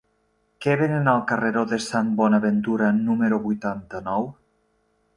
Què venen al carreró de Sant Bonaventura número vuitanta-nou?